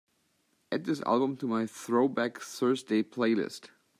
add this album to my Throwback Thursday playlist